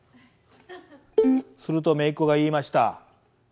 するとめいっ子が言いました。